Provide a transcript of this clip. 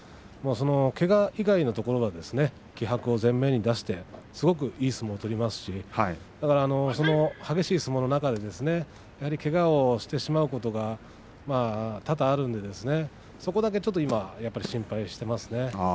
けが以外のところは気迫を前面に出してすごくいい相撲を取りますし激しい相撲の中でけがをしてしまうことが多々あるんでそこだけ、ちょっと今心配していますね。